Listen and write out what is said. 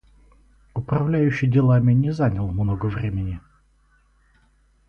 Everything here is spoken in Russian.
Управляющий делами не занял много времени.